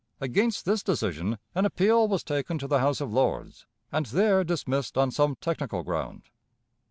Against this decision an appeal was taken to the House of Lords, and there dismissed on some technical ground.